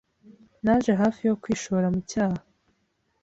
Naje hafi yo kwishora mu cyaha.